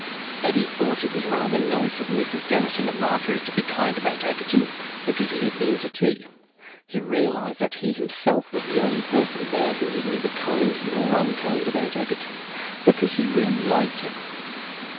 Eddy thought it was rather nice of Mrs. Denison and Margery to be kind about Egerton because he had been to tea. He realised that he himself was the only person there who was neither kind nor unkind about Egerton, because he really liked him.